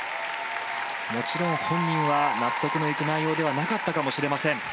もちろん本人は納得のいく内容ではなかったかもしれません。